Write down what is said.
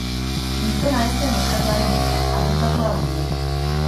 Gizona ez zen neskatoaren aita, adoptatua baino.